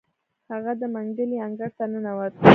هغه د منګلي انګړ ته ننوت.